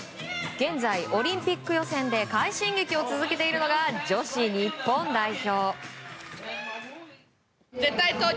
現在オリンピック予選で快進撃を続けているのが女子日本代表。